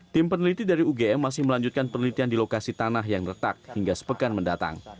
tim peneliti dari ugm masih melanjutkan penelitian di lokasi tanah yang retak hingga sepekan mendatang